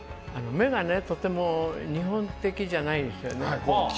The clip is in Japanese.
目がとても日本的じゃないですよね。